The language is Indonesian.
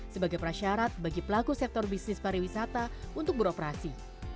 sebagai prasyarat bagi pelaku sektor bisnis pariwisata untuk beroperasi